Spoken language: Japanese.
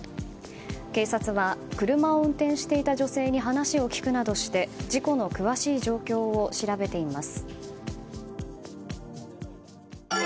警察は、車を運転していた女性に話を聞くなどして事故の詳しい状況を調べています。